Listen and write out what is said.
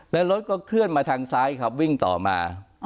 แล้วรถก็เคลื่อนมาทางซ้ายครับวิ่งต่อมา